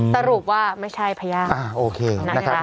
สรุปว่าไม่ใช่พยาบาลนะครับอ่าโอเค